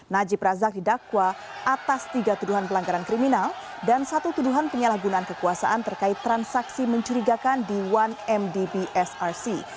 najib razak didakwa atas tiga tuduhan pelanggaran kriminal dan satu tuduhan penyalahgunaan kekuasaan terkait transaksi mencurigakan di satu mdb src